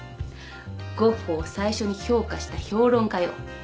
ゴッホを最初に評価した評論家よ。